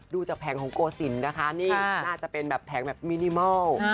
ดูจากแผงของโกศิลป์นะคะนี่น่าจะเป็นแบบแผงแบบมินิมอล